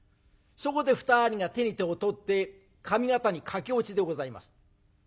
そこで２人が手に手を取って上方に駆け落ちでございます。